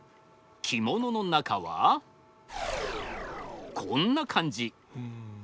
着物の中はこんな感じ。